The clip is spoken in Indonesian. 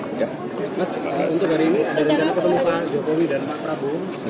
mas untuk hari ini ada rencana ketemu pak jokowi dan pak prabowo